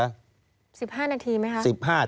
๑๕นาทีไหมคะ